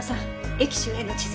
駅周辺の地図。